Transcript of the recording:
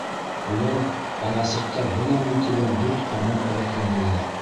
Улар аласыҡта бынамын тигән дүрт ҡармаҡ рәтләнеләр.